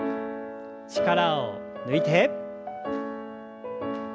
力を抜いて。